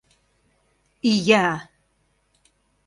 Ия!